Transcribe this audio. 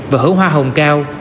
và hữu hoa hồng cao